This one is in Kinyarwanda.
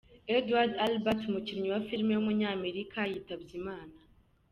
Edward Albert, umukinnyi wa film w’umunyamerika yitabye Imana.